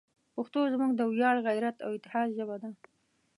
پښتو زموږ د ویاړ، غیرت، او اتحاد ژبه ده.